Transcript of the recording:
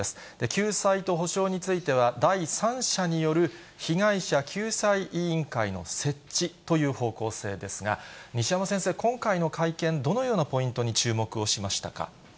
救済と補償については、第三者による被害者救済委員会の設置という方向性ですが、西山先生、今回の会見、どのようなポイントに注目をしましたか。